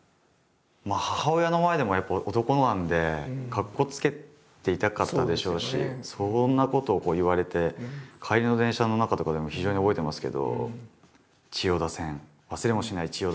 まあ母親の前でもやっぱ男なんでかっこつけていたかったでしょうしそんなことを言われて帰りの電車の中とかでも非常に覚えてますけど。